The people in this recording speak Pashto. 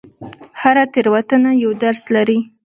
هره تېروتنه یو درس لري.